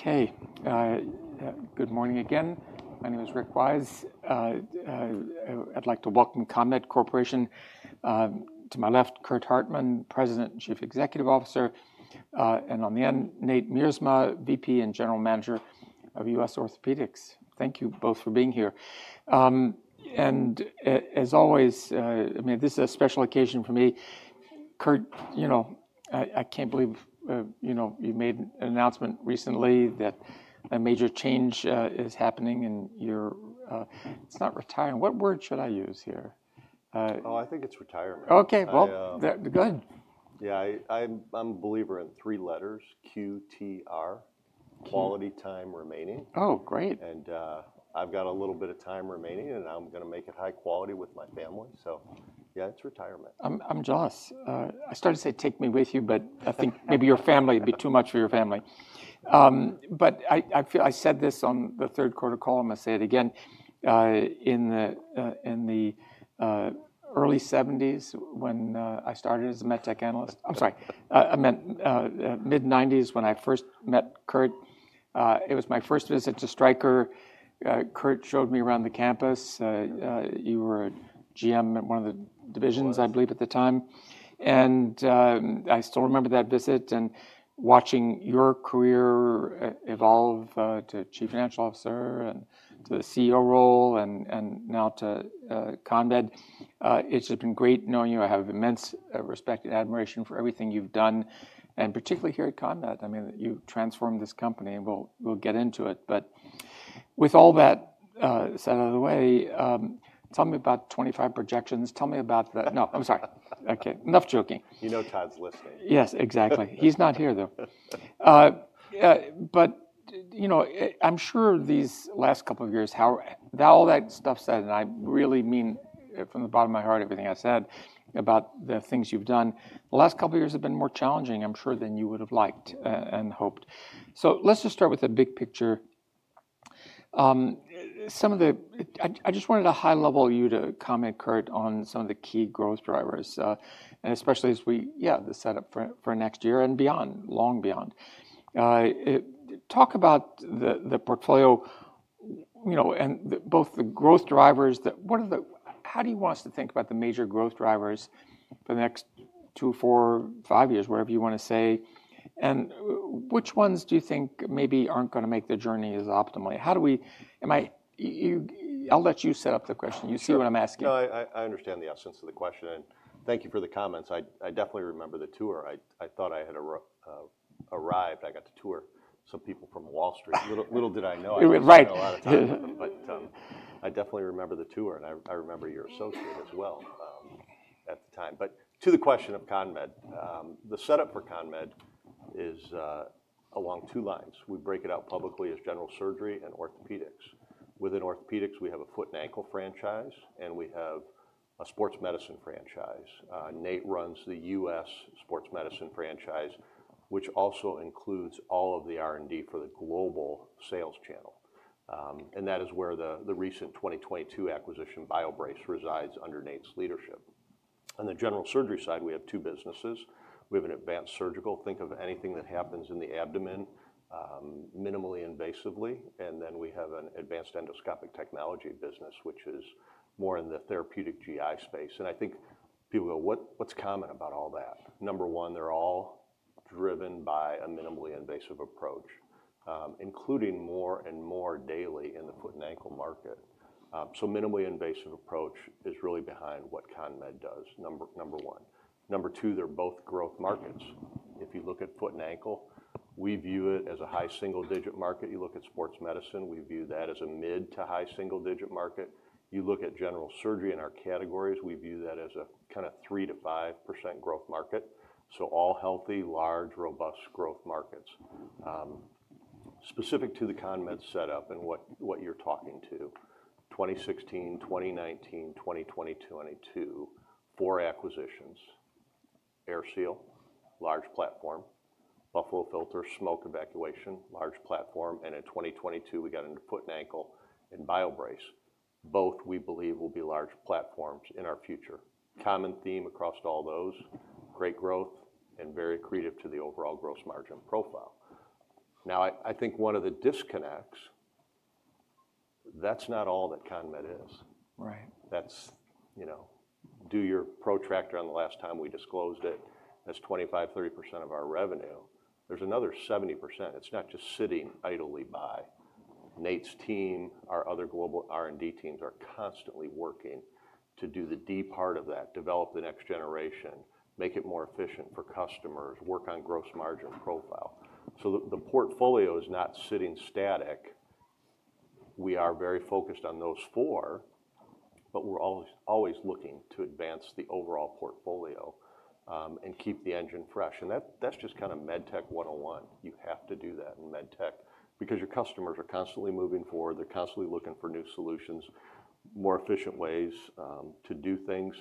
Okay, good morning again. My name is Rick Wise. I'd like to welcome CONMED Corporation. To my left, Curt Hartman, President and Chief Executive Officer. And on the end, Nate Miersma, VP and General Manager of US Orthopedics. Thank you both for being here. And as always, I mean, this is a special occasion for me. Curt, you know, I can't believe, you know, you made an announcement recently that a major change is happening in your, it's not retirement. What word should I use here? I think it's retirement. Okay, well, go ahead. Yeah, I'm a believer in three letters, Q-T-R, Quality Time Remaining. Oh, great. And I've got a little bit of time remaining, and I'm going to make it high quality with my family. So yeah, it's retirement. I'm jealous. I started to say, take me with you, but I think maybe your family would be too much for your family, but I said this on the third quarter call. I'm going to say it again. In the early 1970s, when I started as a med tech analyst, I'm sorry, I meant mid-1990s when I first met Curt. It was my first visit to Stryker. Curt showed me around the campus. You were a GM at one of the divisions, I believe, at the time and I still remember that visit and watching your career evolve to Chief Financial Officer and to the CEO role and now to CONMED. It's just been great knowing you. I have immense respect and admiration for everything you've done, and particularly here at CONMED. I mean, you've transformed this company. We'll get into it. But with all that said out of the way, tell me about 2025 projections. Tell me about the, no, I'm sorry. Okay, enough joking. You know Todd's listening. Yes, exactly. He's not here, though, but you know, I'm sure these last couple of years, how all that stuff said, and I really mean from the bottom of my heart everything I said about the things you've done, the last couple of years have been more challenging, I'm sure, than you would have liked and hoped, so let's just start with the big picture. Some of the, I just wanted a high level you to comment, Curt, on some of the key growth drivers, and especially as we, yeah, the setup for next year and beyond, long beyond. Talk about the portfolio, you know, and both the growth drivers that, what are the, how do you want us to think about the major growth drivers for the next two, four, five years, wherever you want to say, and which ones do you think maybe aren't going to make the journey as optimally? I'll let you set up the question. You see what I'm asking. No, I understand the essence of the question. And thank you for the comments. I definitely remember the tour. I thought I had arrived. I got to tour some people from Wall Street. Little did I know I was there a lot of times. But I definitely remember the tour, and I remember your associate as well at the time. But to the question of CONMED, the setup for CONMED is along two lines. We break it out publicly as General Surgery and Orthopedics. Within Orthopedics, we have a foot and ankle franchise, and we have a sports medicine franchise. Nate runs the U.S. sports medicine franchise, which also includes all of the R&D for the global sales channel. And that is where the recent 2022 acquisition, BioBrace, resides under Nate's leadership. On the general surgery side, we have two businesses. We have an Advanced Surgical, think of anything that happens in the abdomen, minimally invasively. And then we have an Advanced Endoscopic Technology business, which is more in the therapeutic GI space. And I think people go, what's common about all that? Number one, they're all driven by a minimally invasive approach, including more and more daily in the foot and ankle market. So minimally invasive approach is really behind what CONMED does, number one. Number two, they're both growth markets. If you look at foot and ankle, we view it as a high single digit market. You look at sports medicine, we view that as a mid to high single digit market. You look at general surgery in our categories, we view that as a kind of 3%-5% growth market. So all healthy, large, robust growth markets. Specific to the CONMED setup and what you're talking to, 2016, 2019, 2020, 2022, four acquisitions, AirSeal, large platform, Buffalo Filter, smoke evacuation, large platform. And in 2022, we got into foot and ankle and BioBrace. Both we believe will be large platforms in our future. Common theme across all those, great growth and very accretive to the overall gross margin profile. Now, I think one of the disconnects, that's not all that CONMED is. Right. That's, you know, do your homework on the last time we disclosed it. That's 25%-30% of our revenue. There's another 70%. It's not just sitting idly by. Nate's team, our other global R&D teams are constantly working to do the D part of that, develop the next generation, make it more efficient for customers, work on gross margin profile. So the portfolio is not sitting static. We are very focused on those four, but we're always looking to advance the overall portfolio and keep the engine fresh. And that's just kind of med tech 101. You have to do that in med tech because your customers are constantly moving forward. They're constantly looking for new solutions, more efficient ways to do things.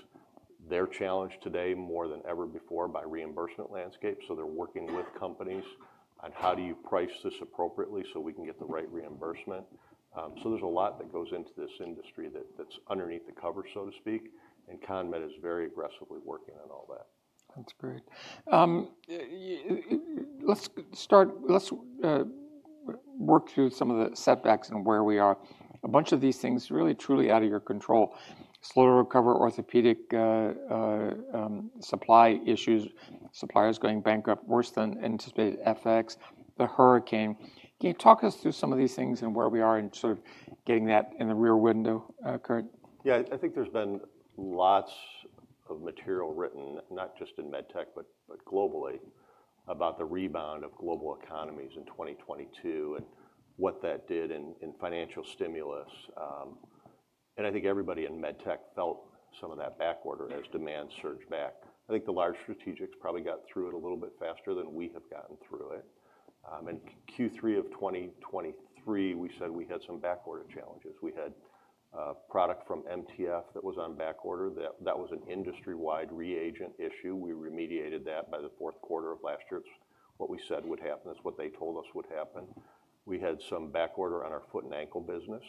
They're challenged today more than ever before by reimbursement landscape. So they're working with companies on how do you price this appropriately so we can get the right reimbursement, so there's a lot that goes into this industry that's underneath the cover, so to speak, and CONMED is very aggressively working on all that. That's great. Let's start, let's work through some of the setbacks and where we are. A bunch of these things really, truly out of your control. Slow to recover orthopedic supply issues, suppliers going bankrupt, worse than anticipated effects, the hurricane. Can you talk us through some of these things and where we are and sort of getting that in the rear window, Curt? Yeah, I think there's been lots of material written, not just in med tech, but globally, about the rebound of global economies in 2022 and what that did in financial stimulus. And I think everybody in med tech felt some of that back order as demand surged back. I think the large strategics probably got through it a little bit faster than we have gotten through it. In Q3 of 2023, we said we had some back order challenges. We had product from MTF that was on back order. That was an industry-wide reagent issue. We remediated that by the fourth quarter of last year. It's what we said would happen. It's what they told us would happen. We had some back order on our foot and ankle business.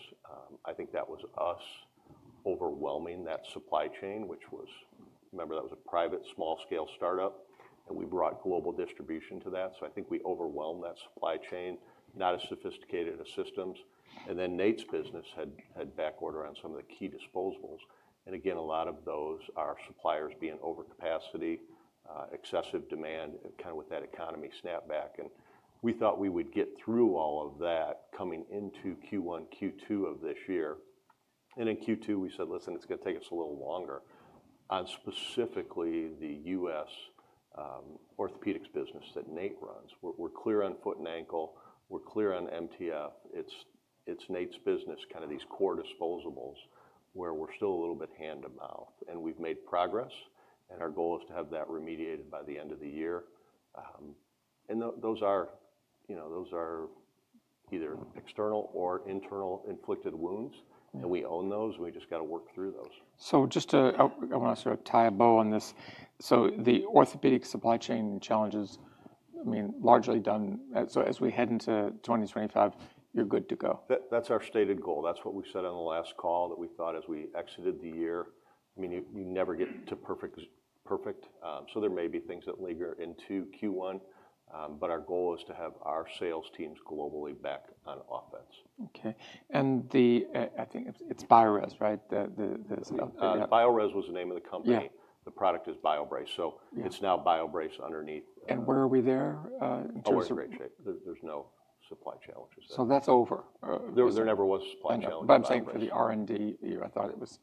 I think that was us overwhelming that supply chain, which was, remember, that was a private small scale startup, and we brought global distribution to that. So I think we overwhelmed that supply chain, not as sophisticated as systems. And then Nate's business had back order on some of the key disposables. And again, a lot of those are suppliers being over capacity, excessive demand, kind of with that economy snapback. And we thought we would get through all of that coming into Q1, Q2 of this year. And in Q2, we said, listen, it's going to take us a little longer on specifically the US Orthopedics business that Nate runs. We're clear on foot and ankle. We're clear on MTF. It's Nate's business, kind of these core disposables where we're still a little bit hand to mouth. We've made progress, and our goal is to have that remediated by the end of the year. Those are, you know, those are either external or internal inflicted wounds, and we own those, and we just got to work through those. So, I want to sort of tie a bow on this. So the orthopedic supply chain challenges, I mean, largely done. So as we head into 2025, you're good to go. That's our stated goal. That's what we said on the last call that we thought as we exited the year. I mean, you never get to perfect. So there may be things that linger into Q1, but our goal is to have our sales teams globally back on offense. Okay. And the, I think it's Biorez, right? Biorez was the name of the company. The product is BioBrace. So it's now BioBrace underneath. Where are we there? Oh, it's in great shape. There's no supply challenges. So that's over. There never was a supply challenge. But I'm saying for the R&D year, I thought it was.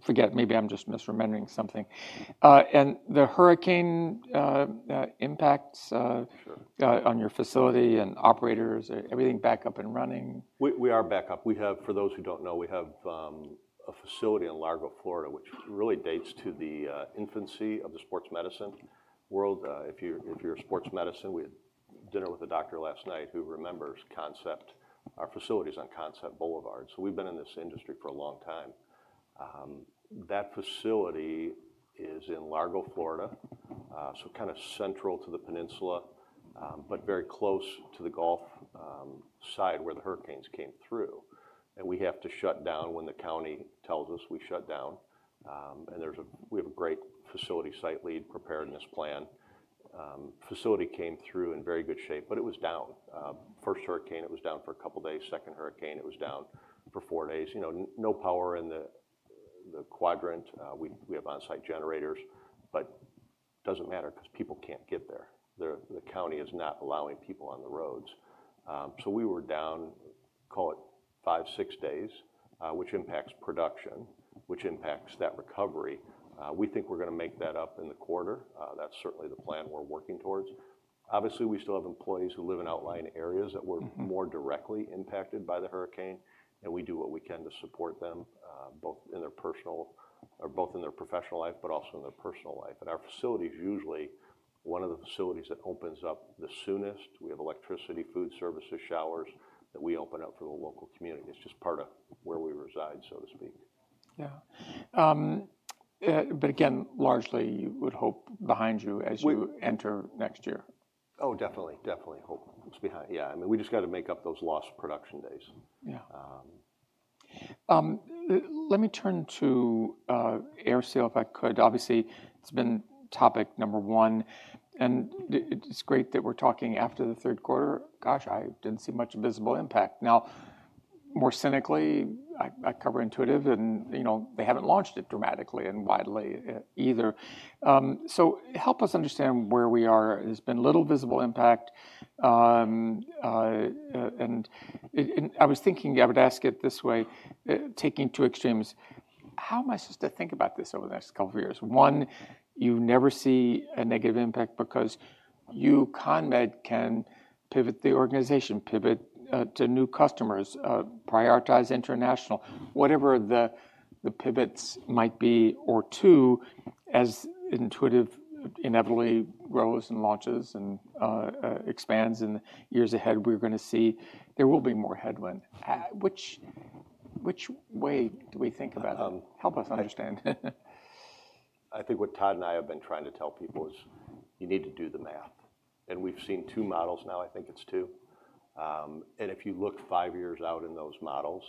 Forget, maybe I'm just misremembering something. And the hurricane impacts on your facility and operators? Everything back up and running? We are back up. We have, for those who don't know, we have a facility in Largo, Florida, which really dates to the infancy of the sports medicine world. If you're a sports medicine, we had dinner with a doctor last night who remembers Concept, our facilities on Concept Boulevard. So we've been in this industry for a long time. That facility is in Largo, Florida, so kind of central to the peninsula, but very close to the Gulf side where the hurricanes came through, and we have to shut down when the county tells us we shut down. We have a great facility site lead preparedness plan. Facility came through in very good shape, but it was down. First hurricane, it was down for a couple of days. Second hurricane, it was down for four days. You know, no power in the quadrant. We have onsite generators, but it doesn't matter because people can't get there. The county is not allowing people on the roads, so we were down, call it five, six days, which impacts production, which impacts that recovery. We think we're going to make that up in the quarter. That's certainly the plan we're working towards. Obviously, we still have employees who live in outlying areas that were more directly impacted by the hurricane, and we do what we can to support them both in their personal, both in their professional life, but also in their personal life, and our facility is usually one of the facilities that opens up the soonest. We have electricity, food, services, showers that we open up for the local community. It's just part of where we reside, so to speak. Yeah. But again, largely you would hope behind you as you enter next year. Oh, definitely, definitely hope behind, yeah. I mean, we just got to make up those lost production days. Yeah. Let me turn to AirSeal if I could. Obviously, it's been topic number one, and it's great that we're talking after the third quarter. Gosh, I didn't see much visible impact. Now, more cynically, I cover Intuitive and, you know, they haven't launched it dramatically and widely either. So help us understand where we are. There's been little visible impact. And I was thinking, I would ask it this way, taking two extremes. How am I supposed to think about this over the next couple of years? One, you never see a negative impact because you, CONMED, can pivot the organization, pivot to new customers, prioritize international, whatever the pivots might be or two, as Intuitive inevitably grows and launches and expands in the years ahead, we're going to see there will be more headwind. Which way do we think about it? Help us understand. I think what Todd and I have been trying to tell people is you need to do the math. And we've seen two models now, I think it's two. And if you look five years out in those models,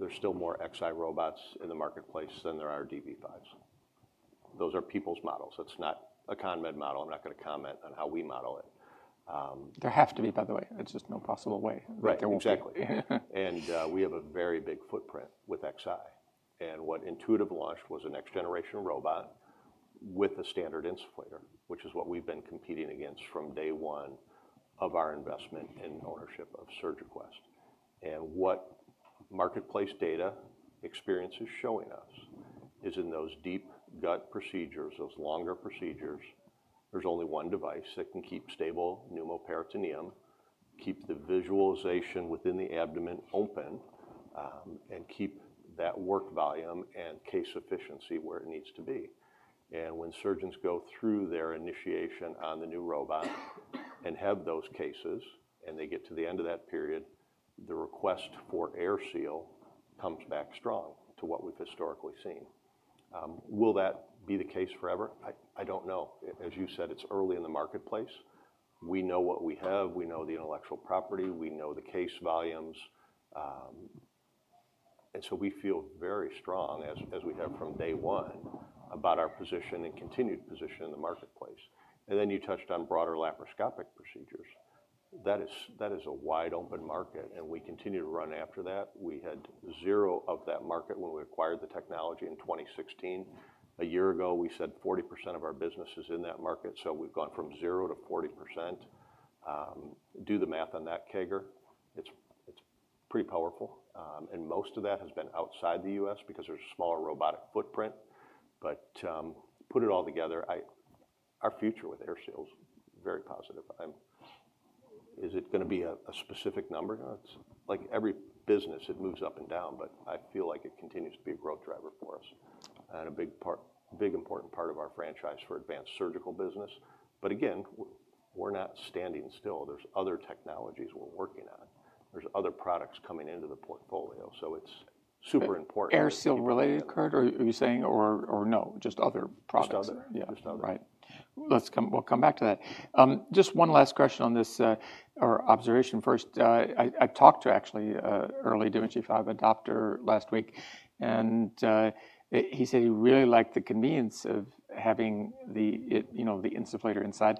there's still more Xi robots in the marketplace than there are dV5s. Those are people's models. It's not a CONMED model. I'm not going to comment on how we model it. There have to be, by the way. It's just no possible way. Right, exactly. And we have a very big footprint with Xi. And what Intuitive launched was a next generation robot with a standard insufflator, which is what we've been competing against from day one of our investment in ownership of SurgiQuest. And what marketplace data experience is showing us is in those deep gut procedures, those longer procedures, there's only one device that can keep stable pneumoperitoneum, keep the visualization within the abdomen open, and keep that work volume and case efficiency where it needs to be. And when surgeons go through their initiation on the new robot and have those cases, and they get to the end of that period, the request for AirSeal comes back strong to what we've historically seen. Will that be the case forever? I don't know. As you said, it's early in the marketplace. We know what we have. We know the intellectual property. We know the case volumes. And so we feel very strong, as we have from day one, about our position and continued position in the marketplace. And then you touched on broader laparoscopic procedures. That is a wide open market, and we continue to run after that. We had zero of that market when we acquired the technology in 2016. A year ago, we said 40% of our business is in that market. So we've gone from zero to 40%. Do the math on that, CAGR. It's pretty powerful. And most of that has been outside the U.S. because there's a smaller robotic footprint. But put it all together, our future with AirSeal is very positive. Is it going to be a specific number? Like every business, it moves up and down, but I feel like it continues to be a growth driver for us and a big part, big important part of our franchise for Advanced Surgical business. But again, we're not standing still. There's other technologies we're working on. There's other products coming into the portfolio. So it's super important. AirSeal related, Curt, are you saying, or no, just other products? Just other. Yeah, right. We'll come back to that. Just one last question on this, or observation first. I talked to actually early dV5 adopter last week, and he said he really liked the convenience of having the, you know, the insufflator inside.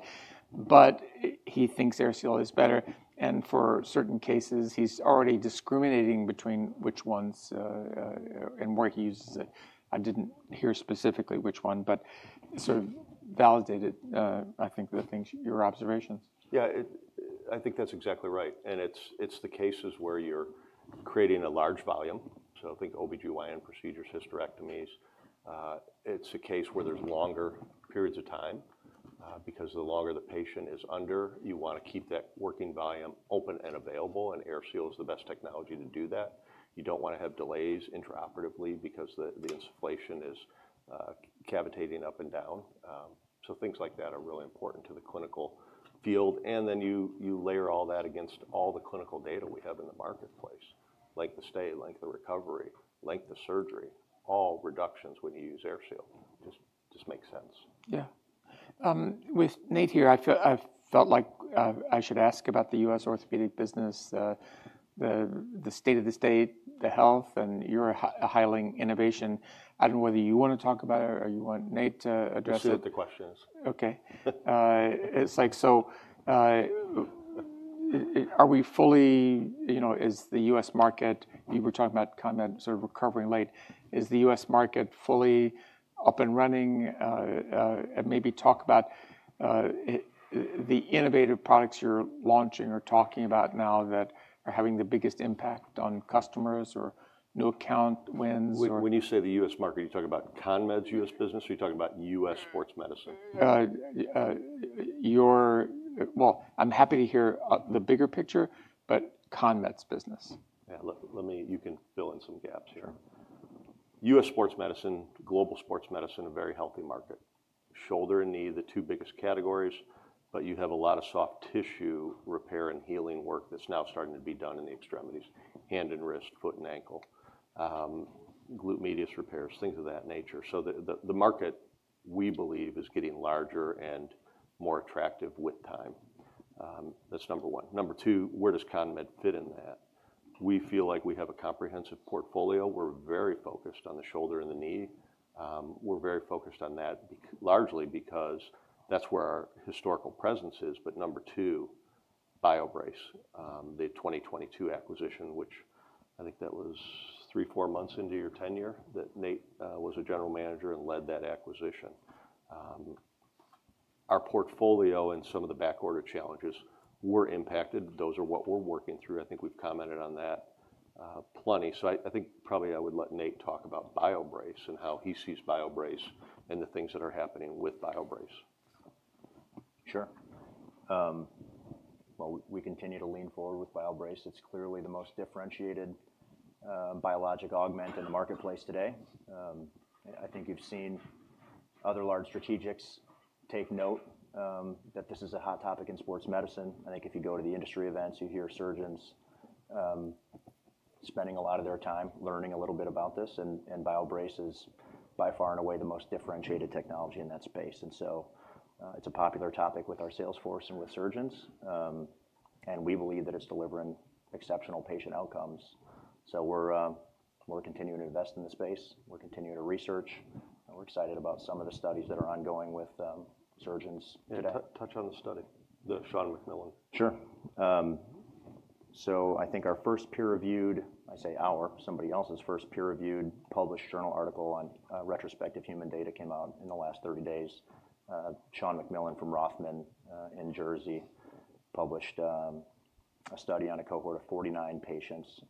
But he thinks AirSeal is better. And for certain cases, he's already discriminating between which ones and where he uses it. I didn't hear specifically which one, but sort of validated, I think, the things, your observations. Yeah, I think that's exactly right. And it's the cases where you're creating a large volume. So I think OB-GYN procedures, hysterectomies. It's a case where there's longer periods of time. Because the longer the patient is under, you want to keep that working volume open and available. And AirSeal is the best technology to do that. You don't want to have delays intraoperatively because the insufflation is cavitating up and down. So things like that are really important to the clinical field. And then you layer all that against all the clinical data we have in the marketplace. Length of stay, length of recovery, length of surgery, all reductions when you use AirSeal. Just makes sense. Yeah. With Nate here, I felt like I should ask about the US Orthopedic business, the state of the state, the health, and your highlighting innovation. I don't know whether you want to talk about it or you want Nate to address it. You should ask the questions. Okay. It's like, so are we fully, you know, is the U.S. market, you were talking about CONMED sort of recovering late, is the U.S. market fully up and running? And maybe talk about the innovative products you're launching or talking about now that are having the biggest impact on customers or new account wins. When you say the U.S. market, you're talking about CONMED's U.S. business or you're talking about U.S. sports medicine? I'm happy to hear the bigger picture, but CONMED's business. Yeah, let me. You can fill in some gaps here. U.S. sports medicine, global sports medicine, a very healthy market. Shoulder and knee, the two biggest categories, but you have a lot of soft tissue repair and healing work that's now starting to be done in the extremities, hand and wrist, foot and ankle, gluteus medius repairs, things of that nature. So the market, we believe, is getting larger and more attractive with time. That's number one. Number two, where does CONMED fit in that? We feel like we have a comprehensive portfolio. We're very focused on the shoulder and the knee. We're very focused on that largely because that's where our historical presence is. But number two, BioBrace, the 2022 acquisition, which I think that was three, four months into your tenure that Nate was a general manager and led that acquisition. Our portfolio and some of the backorder challenges were impacted. Those are what we're working through. I think we've commented on that plenty. So I think probably I would let Nate talk about BioBrace and how he sees BioBrace and the things that are happening with BioBrace. Sure. Well, we continue to lean forward with BioBrace. It's clearly the most differentiated biologic augment in the marketplace today. I think you've seen other large strategics take note that this is a hot topic in sports medicine. I think if you go to the industry events, you hear surgeons spending a lot of their time learning a little bit about this. And BioBrace is by far and away the most differentiated technology in that space. And so it's a popular topic with our sales force and with surgeons. And we believe that it's delivering exceptional patient outcomes. So we're continuing to invest in the space. We're continuing to research. We're excited about some of the studies that are ongoing with surgeons. Touch on the study. The Sean McMillan. Sure. So I think our first peer-reviewed, I say our, somebody else's first peer-reviewed published journal article on retrospective human data came out in the last 30 days. Sean McMillan from Rothman in Jersey published a study on a cohort of 49 patients.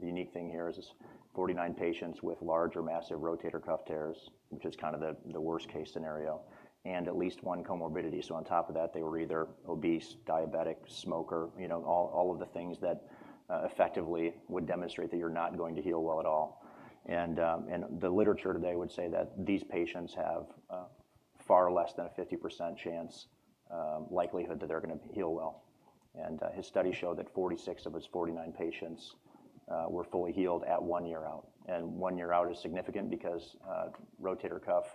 The unique thing here is 49 patients with large or massive rotator cuff tears, which is kind of the worst case scenario, and at least one comorbidity. So on top of that, they were either obese, diabetic, smoker, you know, all of the things that effectively would demonstrate that you're not going to heal well at all. And the literature today would say that these patients have far less than a 50% chance likelihood that they're going to heal well. And his study showed that 46 of his 49 patients were fully healed at one year out. And one year out is significant because rotator cuff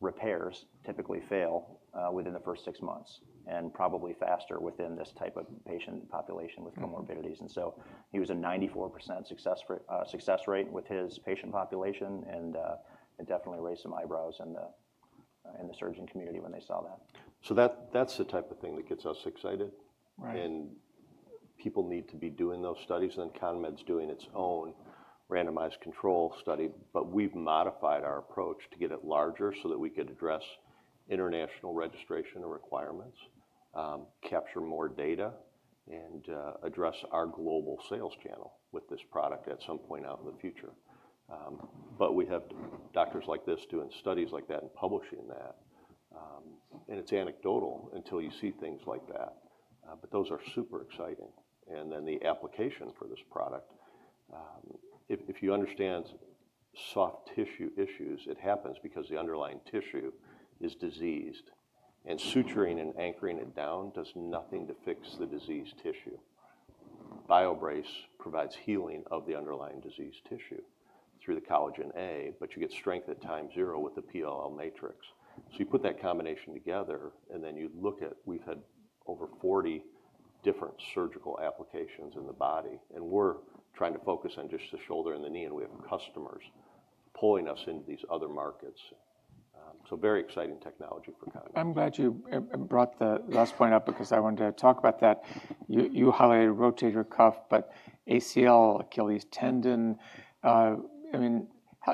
repairs typically fail within the first six months and probably faster within this type of patient population with comorbidities. And so he was a 94% success rate with his patient population and definitely raised some eyebrows in the surgeon community when they saw that. So that's the type of thing that gets us excited. And people need to be doing those studies. And then CONMED's doing its own randomized control study. But we've modified our approach to get it larger so that we could address international registration requirements, capture more data, and address our global sales channel with this product at some point out in the future. But we have doctors like this doing studies like that and publishing that. And it's anecdotal until you see things like that. But those are super exciting. And then the application for this product, if you understand soft tissue issues, it happens because the underlying tissue is diseased. And suturing and anchoring it down does nothing to fix the diseased tissue. BioBrace provides healing of the underlying diseased tissue through the collagen A, but you get strength at time zero with the PLLA matrix. So you put that combination together and then you look at. We've had over 40 different surgical applications in the body. And we're trying to focus on just the shoulder and the knee, and we have customers pulling us into these other markets. So very exciting technology for CONMED. I'm glad you brought the last point up because I wanted to talk about that. You highlighted rotator cuff, but ACL, Achilles tendon, I mean,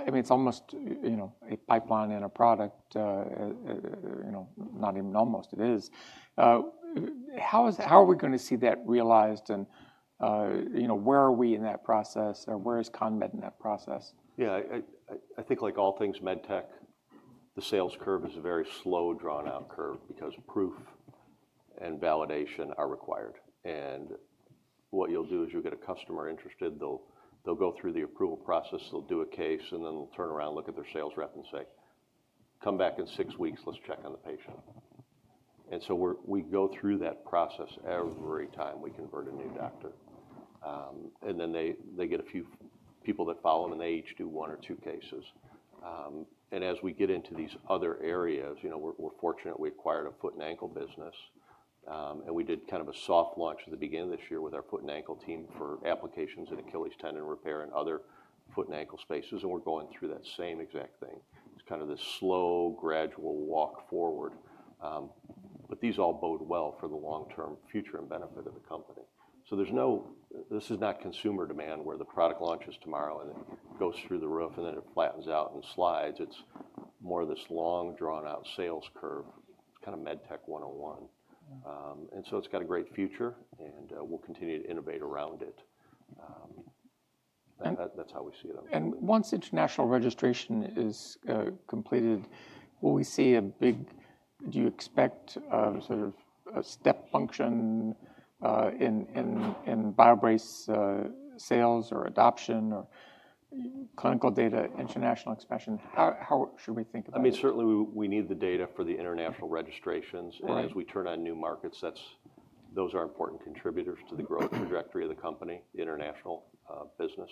it's almost, you know, a pipeline and a product, you know, not even almost, it is. How are we going to see that realized? You know, where are we in that process? Or where is CONMED in that process? Yeah, I think like all things med tech, the sales curve is a very slow drawn-out curve because proof and validation are required. And what you'll do is you'll get a customer interested. They'll go through the approval process. They'll do a case, and then they'll turn around, look at their sales rep and say, "Come back in six weeks. Let's check on the patient." And so we go through that process every time we convert a new doctor. And then they get a few people that follow them and they each do one or two cases. And as we get into these other areas, you know, we're fortunate we acquired a foot and ankle business. And we did kind of a soft launch at the beginning of this year with our foot and ankle team for applications in Achilles tendon repair and other foot and ankle spaces. We're going through that same exact thing. It's kind of this slow, gradual walk forward. These all bode well for the long-term future and benefit of the company. There's no, this is not consumer demand where the product launches tomorrow and it goes through the roof and then it flattens out and slides. It's more of this long drawn-out sales curve, kind of med tech 101. It's got a great future and we'll continue to innovate around it. That's how we see it. Once international registration is completed, will we see a big, do you expect sort of a step function in BioBrace sales or adoption or clinical data international expansion? How should we think about that? I mean, certainly we need the data for the international registrations. And as we turn on new markets, those are important contributors to the growth trajectory of the company, the international business.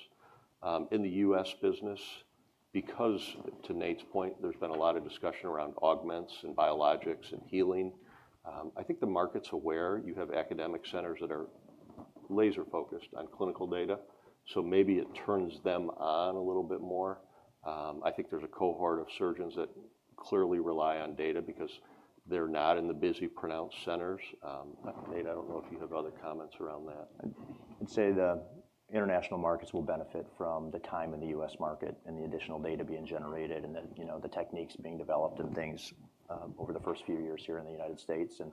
In the U.S. business, because to Nate's point, there's been a lot of discussion around augments and biologics and healing. I think the market's aware. You have academic centers that are laser-focused on clinical data. So maybe it turns them on a little bit more. I think there's a cohort of surgeons that clearly rely on data because they're not in the busy, prominent centers. Nate, I don't know if you have other comments around that? I'd say the international markets will benefit from the time in the U.S. market and the additional data being generated and the, you know, the techniques being developed and things over the first few years here in the United States. And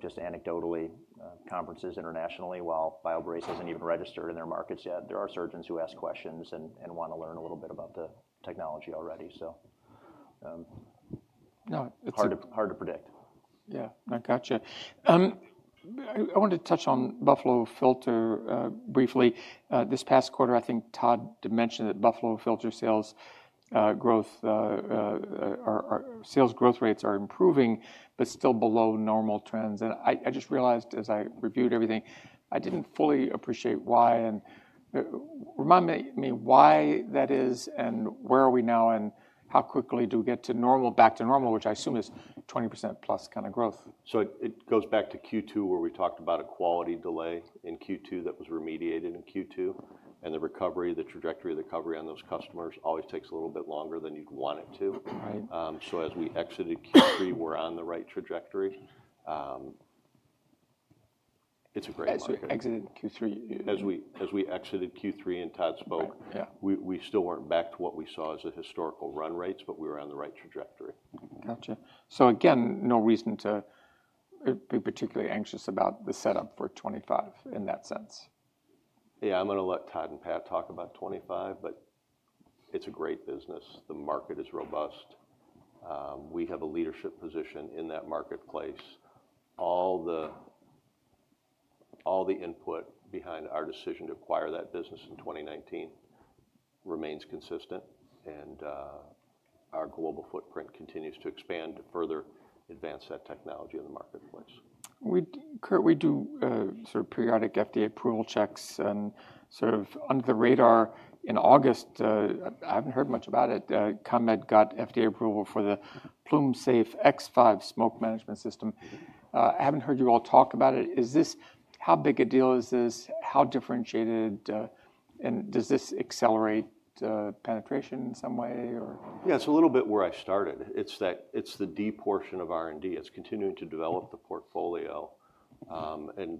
just anecdotally, conferences internationally, while BioBrace hasn't even registered in their markets yet, there are surgeons who ask questions and want to learn a little bit about the technology already. So. No. Hard to predict. Yeah, I gotcha. I wanted to touch on Buffalo Filter briefly. This past quarter, I think Todd mentioned that Buffalo Filter sales growth, sales growth rates are improving, but still below normal trends. And I just realized as I reviewed everything, I didn't fully appreciate why. And remind me why that is and where are we now and how quickly do we get back to normal, which I assume is 20%+ kind of growth. So it goes back to Q2 where we talked about a quality delay in Q2 that was remediated in Q2. And the recovery, the trajectory of the recovery on those customers always takes a little bit longer than you'd want it to. So as we exited Q3, we're on the right trajectory. It's a great market. As we exited Q3. As we exited Q3 and Todd spoke, we still weren't back to what we saw as the historical run rates, but we were on the right trajectory. Gotcha. So again, no reason to be particularly anxious about the setup for 2025 in that sense. Yeah, I'm going to let Todd and Pat talk about 2025, but it's a great business. The market is robust. We have a leadership position in that marketplace. All the input behind our decision to acquire that business in 2019 remains consistent, and our global footprint continues to expand to further advance that technology in the marketplace. Curt, we do sort of periodic FDA approval checks and sort of under the radar in August. I haven't heard much about it. CONMED got FDA approval for the PlumeSafe X5 smoke management system. I haven't heard you all talk about it. Is this how big a deal is this? How differentiated? And does this accelerate penetration in some way? Yeah, it's a little bit where I started. It's the D portion of R&D. It's continuing to develop the portfolio. And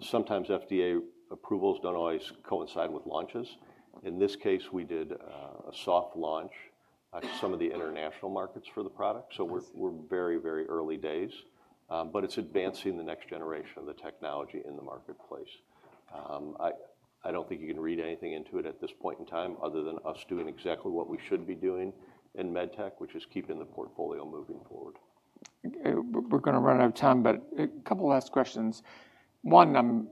sometimes FDA approvals don't always coincide with launches. In this case, we did a soft launch to some of the international markets for the product. So we're very, very early days. But it's advancing the next generation of the technology in the marketplace. I don't think you can read anything into it at this point in time other than us doing exactly what we should be doing in med tech, which is keeping the portfolio moving forward. We're going to run out of time, but a couple of last questions. One, I'm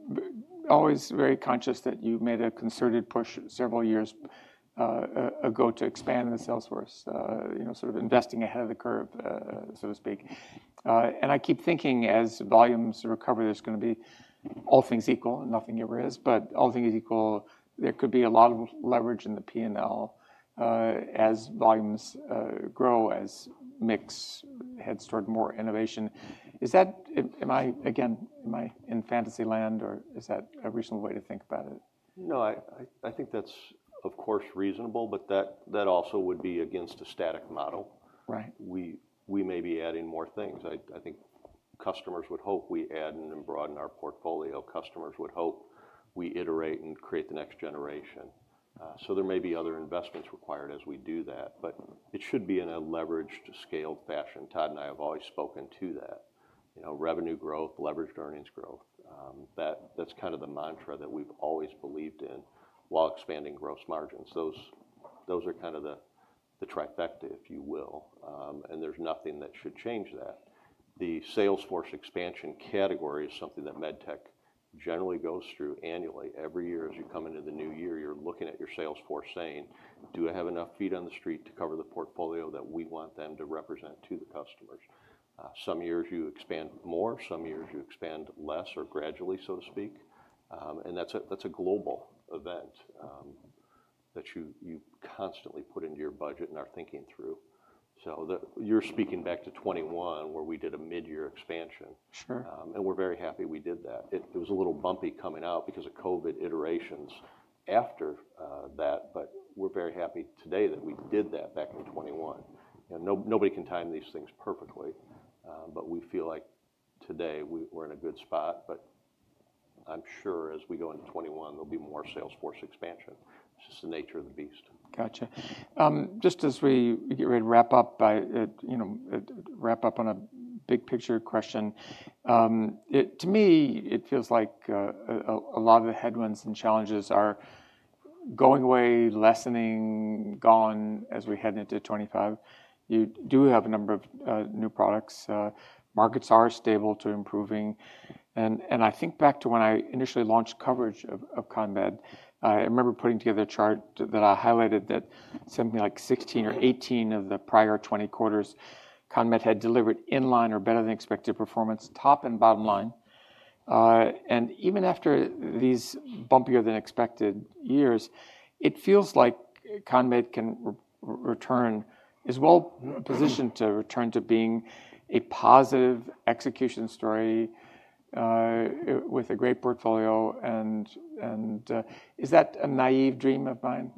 always very conscious that you made a concerted push several years ago to expand the salesforce, you know, sort of investing ahead of the curve, so to speak. And I keep thinking as volumes recover, there's going to be all things equal, nothing ever is, but all things equal, there could be a lot of leverage in the P&L as volumes grow, as mix heads toward more innovation. Is that, am I again, am I in fantasy land or is that a reasonable way to think about it? No, I think that's of course reasonable, but that also would be against a static model. We may be adding more things. I think customers would hope we add and broaden our portfolio. Customers would hope we iterate and create the next generation. So there may be other investments required as we do that, but it should be in a leveraged, scaled fashion. Todd and I have always spoken to that. You know, revenue growth, leveraged earnings growth. That's kind of the mantra that we've always believed in while expanding gross margins. Those are kind of the trifecta, if you will. And there's nothing that should change that. The salesforce expansion category is something that med tech generally goes through annually. Every year as you come into the new year, you're looking at your salesforce saying, "Do I have enough feet on the street to cover the portfolio that we want them to represent to the customers?" Some years you expand more, some years you expand less or gradually, so to speak. And that's a global event that you constantly put into your budget and are thinking through. So you're speaking back to 2021 where we did a mid-year expansion. And we're very happy we did that. It was a little bumpy coming out because of COVID iterations after that, but we're very happy today that we did that back in 2021. Nobody can time these things perfectly, but we feel like today we're in a good spot. But I'm sure as we go into 2021, there'll be more salesforce expansion. It's just the nature of the beast. Gotcha. Just as we get ready to wrap up, you know, wrap up on a big picture question. To me, it feels like a lot of the headwinds and challenges are going away, lessening, gone as we head into 2025. You do have a number of new products. Markets are stable to improving. And I think back to when I initially launched coverage of CONMED. I remember putting together a chart that I highlighted that said like 16 or 18 of the prior 20 quarters, CONMED had delivered in-line or better than expected performance, top and bottom line. And even after these bumpier than expected years, it feels like CONMED can return, is well positioned to return to being a positive execution story with a great portfolio. And is that a naive dream of mine?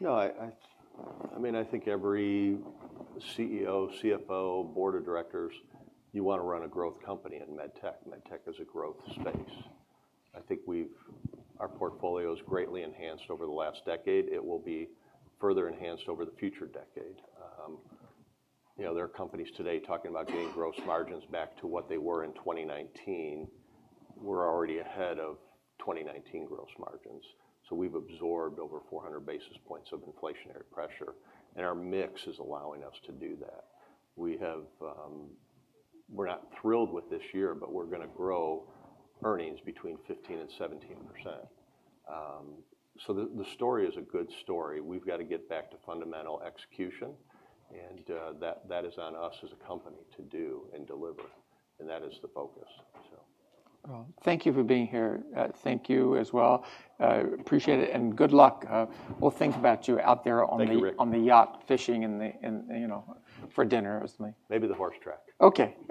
No, I mean, I think every CEO, CFO, board of directors, you want to run a growth company in med tech. Med tech is a growth space. I think our portfolio has greatly enhanced over the last decade. It will be further enhanced over the future decade. You know, there are companies today talking about getting gross margins back to what they were in 2019. We're already ahead of 2019 gross margins. So we've absorbed over 400 basis points of inflationary pressure. And our mix is allowing us to do that. We're not thrilled with this year, but we're going to grow earnings between 15% and 17%. So the story is a good story. We've got to get back to fundamental execution. And that is on us as a company to do and deliver. And that is the focus. Thank you for being here. Thank you as well. Appreciate it. Good luck. We'll think about you out there on the yacht fishing and, you know, for dinner. Maybe the horse track. Okay.